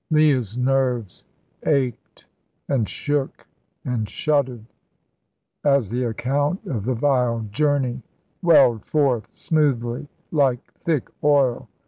Leah's nerves ached and shook and shuddered as the account of the vile journey welled forth smoothly like thick oil.